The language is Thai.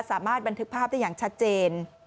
สามารถบันทึกภาพได้อย่างชัดเจน